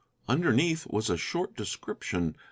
Underneath was a short description.